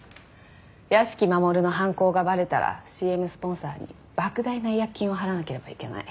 屋敷マモルの犯行がバレたらＣＭスポンサーに莫大な違約金を払わなければいけない。